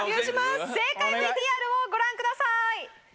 正解ＶＴＲをご覧ください！